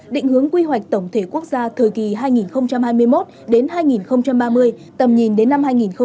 định hướng quy hoạch tổng thể quốc gia thời kỳ hai nghìn hai mươi một đến hai nghìn ba mươi tầm nhìn đến năm hai nghìn năm mươi